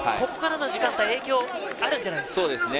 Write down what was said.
ここからの時間帯、影響があるんじゃないでしょうか。